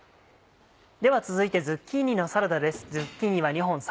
では続いてズッキーニのサラダです。